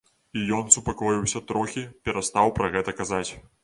І ён супакоіўся трохі, перастаў пра гэта казаць.